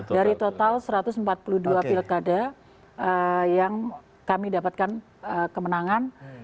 dari total satu ratus empat puluh dua pilkada yang kami dapatkan kemenangan